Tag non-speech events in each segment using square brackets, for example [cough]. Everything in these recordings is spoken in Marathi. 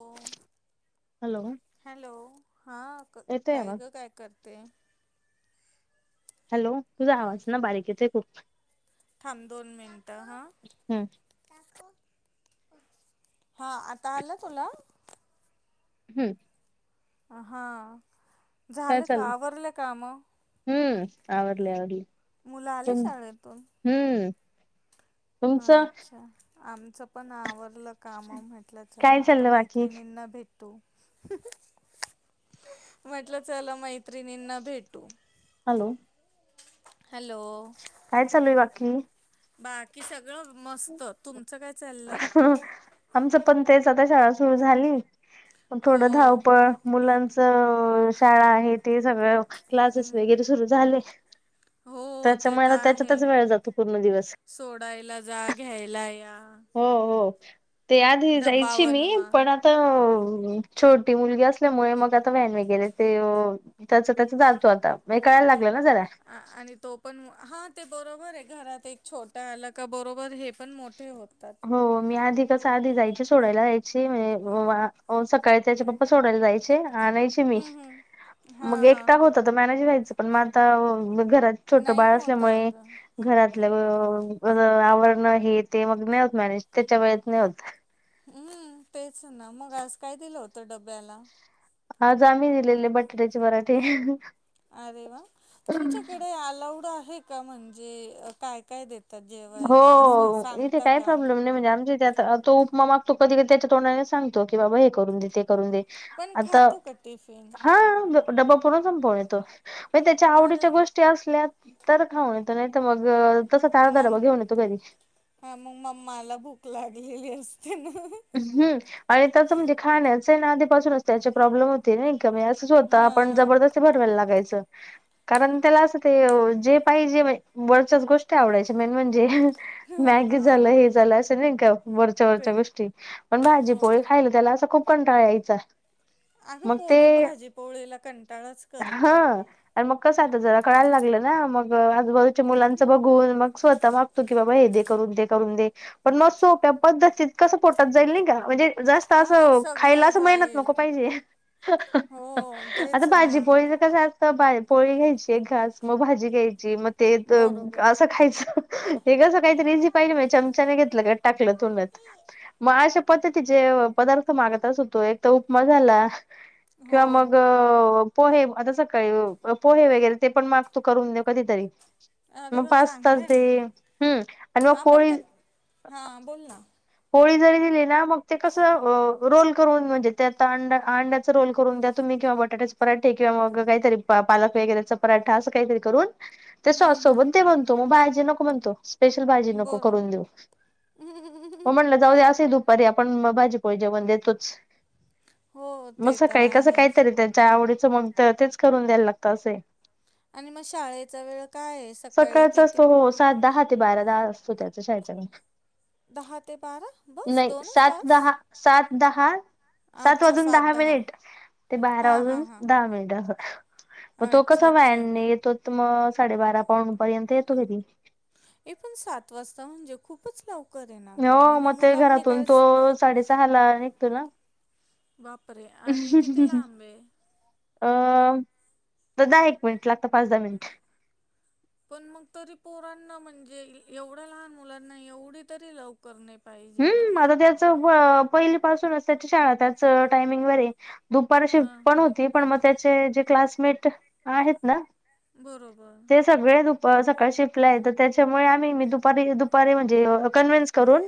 हो हॅलो हॅलो हा क येतोय काय आवाज ग काय करते हॅलो तुझा आवाज ना बारीक येतेय खूप थांब दोन मिनिटं हा हम्म हा आता आलं तुला हम्म हा काय झालं का आवरलं काम आवडली आवडली मुलं आले शाळेतून तुमचं अच्छा आमचं पण आवरलं काम म्हटलं चला काय आता चाललं बाकी मैत्रिणींना भेट - तू म्हटलं चला मैत्रिणींना भेटू हॅलो हॅलो काय चालूय बाकी बाकी सगळं मस्त तुमचं काय चा हा ह आमचं पण तेच आता शाळा सुरू झाली हो थोडं धावपळ मुलांचं शाळा आहे ते सगळं क्लासेस वगैरे सुरू झाले हो हो ते त्याच्यामुळे तर आता आहे त्याच्यातच वेळ जातो पूर्ण दिवस सोडायला जा घ्यायला या हो हो ते आधी जायची मी डब्बावनवा पण आता छोटी मुलगी असल्यामुळे मग आता व्हॅन वगैरे ते त्या त्याच जातो आता म कळायला लाग- अ आणि तो पण हा ते बरोबर आहे घरात एक छोटा आला का बरोबर हे पण मोठे होत हो मी आधी कसं आधी जायचे. सोडायला जायची म्हणजे सकाळी त्याचे पप्पा सोडायला जायचे. आणायची. मी हम्म हम्म हा मग हा एकटाक होता तर मॅनेज घ्हायचं पण मग आता घरात छोटं नाही बाळ होत असल्यामुळे अगं घरात आवरण हे ते मग नाही होत मॅनेज त्याच्या वेळेत नाही होत. हम्म तेच ना मग आज काय दिलं होतं डब्याला हा आमी दिलेले बटाट्याचे पराठे ह ह अरे वा तुमच्याकडे अलाउड आहे का म्हणजे काय काय देत? हो इथे काही का प्रॉब्लेम नाही म्हणजे आमच्या त्यात तो उपमा मागतो कधी कध त्याच्या तोंडाने सांगतो की बाबा हे करून दे, ते करून दे. पण आता खातो का टिफिन? हा डबा पूर्ण संपवून येतो म्हणजे त्याच्या अरे आवडीच्या गोष्टी असल्या तर खाऊ येत नाही तर मग तसाच ह अर्धा म डबा घेऊन येतो घरी हा मग मम्माला भूक लागलेली असते ना हहह हम् आणि तचं म्हणजे खाण्याच आहे ना आधीपासूनच त्याचे प्रॉब्लेम होते नाही. असच होत हां आपण हां जबरदस्ती भरवायला लागायच कारण त्याला अस ते जे पाहिजे वरच्याच गोष्टी आवडायची मेन म्हणजे मॅगी झालं हा हे झालं. नाही का वरच्या ते वरच्या गोष्टी पण भाजी हो पोळी खायली त्याला असं खूप कंटाळा यायचा. [inaudible] मग ते पोरं भाजीपोळीला कंटाळाच हा करता. अ मग कसा आता जरा कळायला लागलं ना मग आजूबाजूच्या मुलांच हम्म. बघून मग स्वतः मागतो की बाबा हे दे. करून दे करून दे पण मग सोप्या पद्धतीत कसं पोटात जाईल नाही का म्हणजे जास्त हो असं खायला सगळं असं मेहनत जाईल नको पाहिजे हा हा. हो हाह हाह आता तेच ना भाजी पोळीच कस बा पोळी घ्यायची एक घास मग भाजी घ्यायची मग ते बरोबर असं खायचं. हे कस काहीतरी इझी पाहिले मा चमचा नाही घेतलं ग टाकलं तोंडांत. मग अशा पद्धतीचे पदार्थ मागतच होतो एक तर उपमा झाला हो किंवा मग पोहे आता सकाळी पोहे वगैरे ते पण मागतो करून दे कधीतरी अरे मग वा पास्ता चांगलं आहे दे ना हम्म आणि मग हा पण पोळी ते हां बोल ना पोळी जरी दिली ना मग ते कस रोल करून म्हणजे त्या अं अंड्याचा रोल करून त्या तुम्ही किंवा बटाट्याचे पराठे किंवा काहीतरी पालक वगैरेचा पराठा असं काहीरी करून ते हम्म सॉस सोबण ते हम्म म्हणतो मग भाजी नको म्हणतो. स्पेशल भाजी नको बरोबर करून देऊ. मग म्हणलं जाऊ असे दुपारी आपण भाजीपोळी जेवण देतोच. हो मग ते तर सकाळी कसं आहेच काहीतरी त्याच्या आवडीत मग तेच करून द्यायला लागतं असय. आणि मग शाळेचा वेळ काय आहे सकाळी सकाळच किती? असतो हो सात दहा ते बारा. दहा असतो त्याचा शाळेचा वेळ. दहा ते बारा बस दोनच सात तास दहा सात दहा सात वाजून दहा मिनिट ते बारा हां हां वाजून हां दहा मिनिटं. मग तो अच्छा, कसा अच्छा. व्हॅनने येतो मग साडेबारा पावन पर्यंत येतो घरी. ए पण वाजता म्हणजे खूपच लवकर आहे ना हो गं. म्हणजे मग ते मुलांनी घरातून काय तो स प साडेसहा ला निघतो ना बापरे आणि किती लांब ये. अं तर दहा एक मिनिट लागत पाच दहा मिनिटं. पण मग तरी पोरांना म्हणजे, एवढ्या लहान मुलांना एवढी तरी लवकर नाही. पाहिजे गं. हम्म आता त्याच पहिली पाासूनच त्याची शाळा त्याच टायमिंग वरे दुपार शीप्ट हां, पण हां. होती. पण मग त्याचे जे क्लासमेट आहेत ना. बरोबर. ते सगळे [unintelligible] सकाळी शिफ्ट ला येते. त्याच्यामुळे आम्ही, दुपारी अ दुपारी म्हणजे, कन्वन्स करून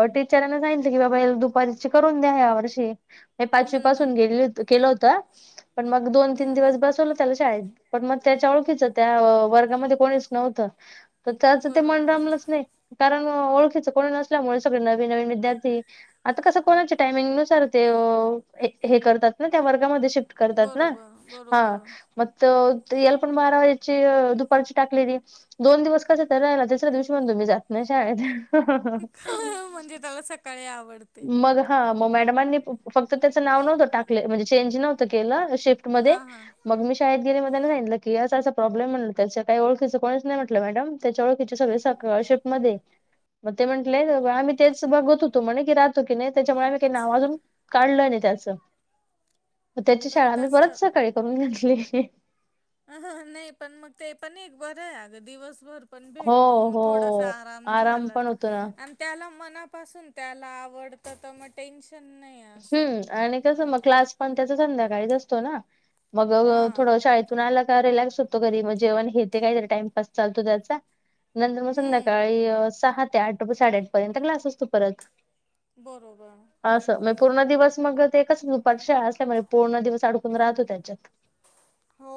अ टीचरांना सांगितलं, की बाबा दुपारीची करून द्या? या वर्षी. म पाचवी हं, पासून हं. गे केलं होत. पण मग दोन, तीन हं. दिवस बसवलं त्या पण मग त्याच्या ओळखीच त्या वर्गामध्ये कोणीच नव्हतं? त्याचं ते मन बरोबर. रमलंच नाही, कारण ओळखीच कोणी नसल्यामुळे नवीन नवीन विद्यार्थी आता कसं कोणाच्या टायमिंगनुसारं ते हे करतात. ना त्या वर्गामध्ये शिफ्ट करतात. ना बरोबर, हा बरोबर. म याला पण बारा वाजेची दुपारची टाकलेली. दोन दिवस कसे तर राहिला तिसऱ्या दिवशी म्हणला, मी जात नाही. शाळेत हं हं म्हणजे त्याला [unintelligible] आवडते. मग हा मग मॅडमांनी फक्त त्याच नाव नव्हतं टाकले, म्हणजे चेंज नव्हत केलं. शिफ्ट मध्ये हां, हां. मग मी शाळेत सांगितलं की अस अस प्रॉब्लेम म्हणलं, त्याच्या काही ओळखीच कोणीच नाही म्हटलं? मॅडम त्याच्या ओळखीचे सगळे सकाळी शिफ्टमध्ये मग ते म्हंटलेय? आम्ही तेच बघत होतो म्हणे. राहतो, की नाही त्याच्यामुळे आम्ही काही नाव अजून काढलं नाही त्याचं. मग त्याची पण शाळा मी परत, सकाळी करून घेतली. अ नाही पण मग ते पण एक बरं आहे. अगं दिवसभर पण हो भेटतो. हो थोडासा आराम झाला, पण होतो ना तर त्या मनापासून त्याला आवडतं तर मग टेंश हम्म! आणि कसं मग क्लास, पण त्याचा संध्याकाळीच असतो ना. मग हां थोडं शाळेतून आला. रिलॅक्स होतो. घरी म जेवण घेते. काही तरी टाइमपास चालतो त्याचा नंतर मग हम्म संध्याकाळी सहा ते आठ साडेआठ पर्यंत क्लास असतो, परत. बरोबर. असं पूर्ण दिवस मग ते कस दुपारच्या शाळा असल्या म्हणजे, पूर्ण दिवस अडकून राहतो. त्याच्यात. हो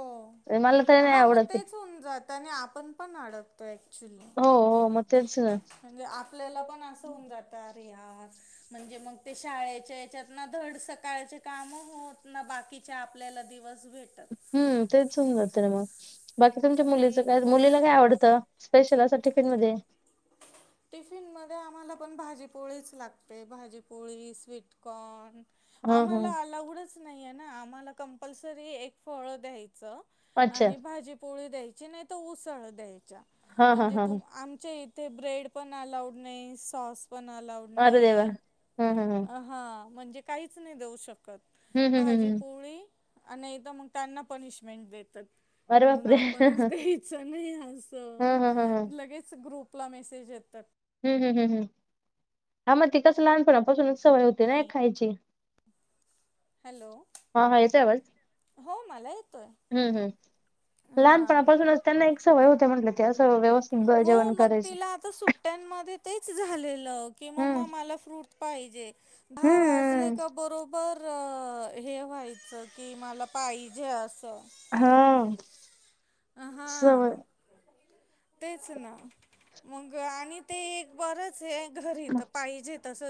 अरे मला तरी नाही हा मग आवडत ते तेच होऊन, जात आणि आपण पण अडकतोय. हो हो मग तेच ना. म्हणजे आपल्याला पण असं होऊन जात. अरे यार! म्हणजे मग ते शाळेच्या याच्यात ना धड सकाळचे कामं होत. ना बाकी बाकीचे आपल्याला दिवस भेटत हम्म! तेच सुंदर [unintelligible] बाकी तुमच्या पण ते मुलीच एक काय मुलीला बरं काय आवडतं? स्पेशल असं टिफीन मध्ये. टिफिन मध्ये आम्हाला आपण भाजीपोळीच लागते. भाजीपोळी, स्वीटकॉर्न ह आम्हाला ह आलावडच नाहीये, ना आम्हाला कंपल्सरी एक फळ द्यायचं. अच्छा आणि भाजी, पोळी द्यायचं. नाही तर उसळ द्यायची. हा हा म्हणजे, हा ह त आमच्या इथे ब्रेड पण अलाउड नाही. सॉस पण अलाऊड अरे देवा! नाही, हं, हं, हं. हा म्हणजे काहीच नाही देऊ शकतं. हं, हं, हं, भाजी, हं. पोळी आणि तर मग त्यांना पनिशमेंट देतात. अरे म्हणून, बापरे! आपणच हं, द्यायच नाही असं. हं, हं, लगेच ग्रुप आपला मेसेज येतात. हम हम हम्म हम हा मग तिथचं लहानपणा पासूनचं सवय होती, ना नाही एक खायची. हॅलो! हां, हां, येतोय आवाज? हो मला येतोय. हां लहपणापासूनच त्यांना एक सवय होते. म्हटलं ते असं व्यवस्थित ब हो, जेवण मग करायची. तिला आता सुट्ट्यांमध्ये तेच झालेलं. की हं, मम्मा मला फ्रुट पाहिजे. दहा वाजले हं. का बरोबर? तर हे व्हायचं की मला पाहिजे असं. ह. हा. तेच ना मग आणि ते एक बरंच हे घरीत पाहिजे तस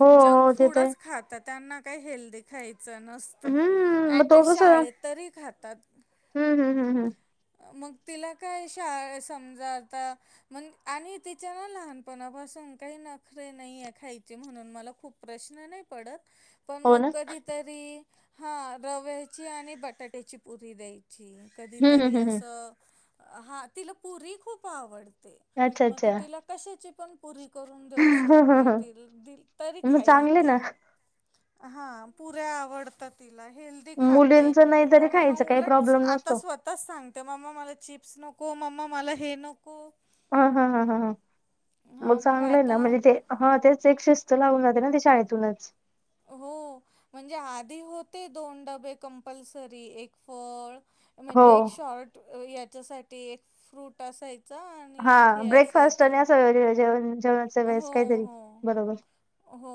हो, जंक हो, ते तर फूडच आहे. खात त्यांना काही हेल्दी खायचं नसत हं, अटलिस्ट शाळेत तरी खातात. हम्म हम्म हम् हम्. मग तिला काय शाळा समजाता मण आणि तिच्या ना लहानपणापासून काही नखरे नाही आहे खायचे, म्हणून मला खूप प्रश्न नाही पडत. पण हो मग ना? कधीतरी हा रव्याची आणि बटाट्याची पुरी द्यायची. हं, हं, तरी हं, हं. असं हा तिला पुरी खूप आवडते. अच्छा, मग अच्छा. तू तिला कशाची पण पुरी करून देऊ हं, हं, शकते हं. तरी मग खाईल चांगले ती. ना. हा पुऱ्या आवडतात तील. हेल्दी खाते मुलींचं नाही तरी आणि खायचं मग काही उलट प्रॉब्लेम आता नसतो. स्वतः सांगते मम्मा मला चिप्स नको मम्मा मला हे नको. हा ह ह ह मग हां चांगलं आहे आता ना म्हणजे ते हा तेच एक लावून जाते ना ते शाळेतूनच हो म्हणजे आधी होते दोन डबे कंपल्सरी एक फळ हो. म्हणजे एक शॉर्ट याच्यासाठी एक फ्रूट असायच. हा ब्रेकफास्ट आणि असं जेवण. जेवणाच्या वेळेस हो काहीतरी हो बरोबर हो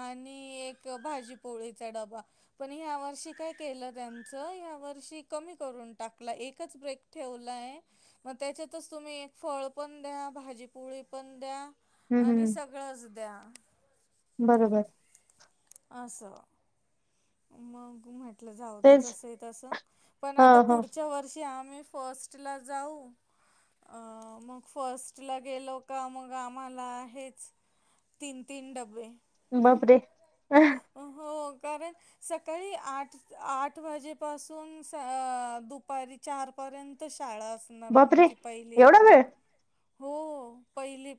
आणि एक भाजी पोळीचा डबा पण या वर्षी काय केलं त्यांच या वर्षी कमी करून टाकलं. त्यातला एकच ब्रेक ठेवलाय त्याच्यात तुम्ही एक फळ पण द्या भाजी पोळी पण द्या हम्म आणि हम्म सगळंच द्या. बरोबर अस मग माहित जाऊदे तेच जसे तस पण ह ह पुढच्या वर्षी आम्ही फर्स्टला जाऊ अं मग फर्स्ट ला गेलो का मग आम्हाला आहेच. तीन तीन डब्बे बापरे हो. कारण सकाळी आठ आठ वाजेपासून दुपारी चार पर्यंत शाळा असणार बापरे आमची एवढा पहिलीला वेळ हो पाहिली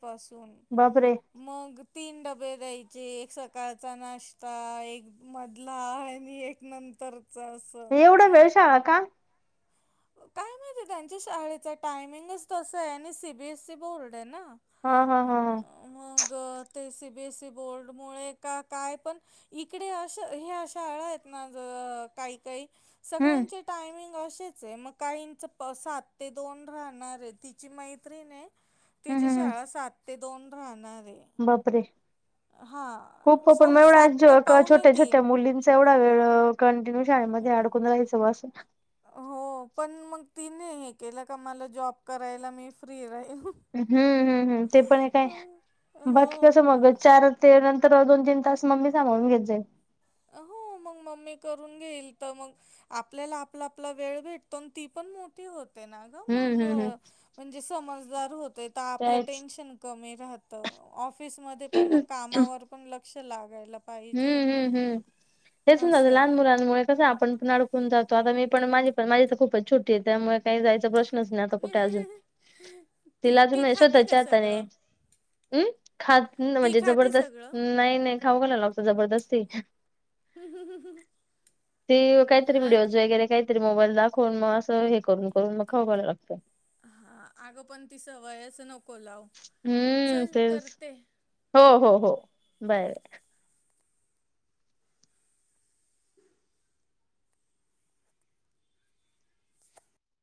बापरे मग तीन डब्बे द्यायचे एक सकाळचा नाष्टा, एक मधला आणि एक नंतर. एवढा वेळ शाळा का? काय माहिती त्यांच्या शाळेच टायमिंगच तस आहे आणि C. B. S. E. Board ना हा हा हा ह मग बोर्ड ते C. B. S. E. Board मुळे काय पण इकडे ह्या शाळा काही काही हम्म सगळ्यांचे टायमिंग असेच. मग काहींचे सात ते दोन राहणार आहे तिची मैत्रिणी- हम्म तिची हम्म शाळा सात ते दोन राहणार. आहे बापरे! खूप हां पण मग सॉरी सात ते एवढा पावणे छोट्या छोट्या तीन मुलींचा एवढा वेळ कंटिन्यू शाळेमध्ये अडकून रायचं बसून. हो. पण मग तिने हे केलं का. मला जॉब करायला मी फ्री राहीलं. हम्म. हम्म. हम्. ते पण हे काय बाकी कस. हो मग चार ते नंतर. तर दोन तीन तास मम्मी सांभाळून घेत जाईल. अ हो. मग मम्मी करून घेईल तर मग आपल्याला आपला आपला वेळ भेटतो की ती पण मोठी होती. तेन अ हम्म मग हम्म हम्म. अ-म्हणजे समजदार होतील आपलं त्याच टेन्शन कमी. राहत. ऑफिस मधे पण मग हम्म कामावर पण लक्ष लागायला पाहिजे. हम्म हम् हम्म हेचं ना ग असं. लहान मुलांमुळे कस आपण- आपन पण अडकून जातो. आता मी पण माझी पण, माझी तर खूपच छोटी आहेत. त्यामुळे काय जायचा प्रश्न- [unintelligible] नाही. आता कुठे अजून, ती तिला ती अजून खाते का स्वतःच्या हाताने. सगळं? हम् खा ती म्हणजे खाते सगळं? जबरदस्तीने, नायं नायं खाऊ घालायला लागत. जबरदस्ती [inaudible] ते काहीतरी हां, व्हिडिओज वगैरे काही- तरी मोबाईल दाखवून. मग असं हे करून करून मग खाऊ घालायला लागतय हा अगं पण ति सवयच नको [unintelligible] हम्म चल तेच करते. हो हो हो बाय